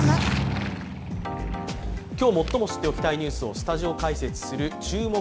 今日、最も知っておきたいニュースをスタジオ解説する「注目！